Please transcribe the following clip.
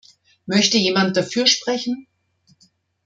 Möchte jemand dafür sprechen?